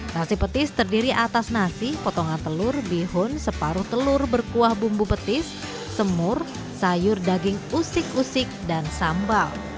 nasi petis terdiri atas nasi potongan telur bihun separuh telur berkuah bumbu petis semur sayur daging usik usik dan sambal